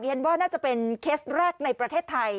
ว่าน่าจะเป็นเคสแรกในประเทศไทย